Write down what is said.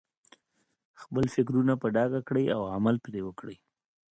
خپل فکرونه په ډاګه کړئ او عمل پرې وکړئ.